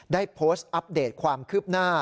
ได้โพสต์อัปเดตความคืบหน้า